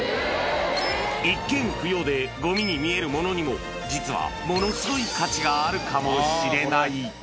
一見不用で、ごみに見えるものにも、実はものすごい価値があるかもしれない。